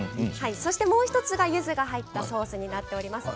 もう１つがゆずが入ったソースになっています。